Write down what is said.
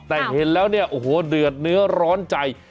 แต่เห็นแล้วเนี่ยโอ้โหเดือดเนื้อร้อนใจ